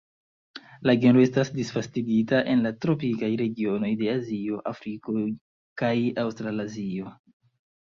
La genro estas disvastigita en la tropikaj regionoj de Azio, Afriko kaj Aŭstralazio.